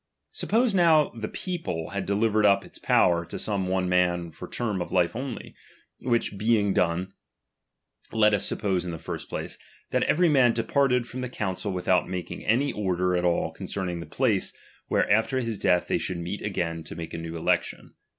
Suppose now the people had delivered up chap. vir. Its power to some one man for term of Ufe only ;',",' which being done, let us suppose in the first place, mooarciu. tiiat every man departed from the council without oiaking auy order at all concerning the place, where after his death they should meet again to make a aetw election.